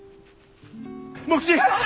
茂吉！